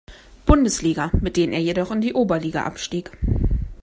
Bundesliga, mit denen er jedoch in die Oberliga abstieg.